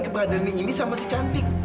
badannya ini sama si cantik